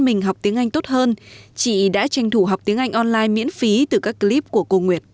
mình học tiếng anh tốt hơn chị đã tranh thủ học tiếng anh online miễn phí từ các clip của cô nguyệt